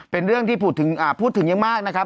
เป็นเรื่องที่พูดถึงอ่าพูดถึงยังมากนะครับ